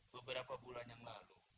beberapa bulan yang lalu